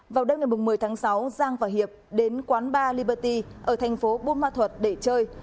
vào đêm ngày một mươi tháng sáu giang và hiệp đến quán bar leberty ở thành phố buôn ma thuật để chơi